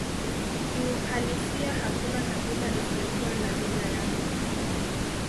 Kiuhalisia hakuna kabila isiyokuwa na lugha yake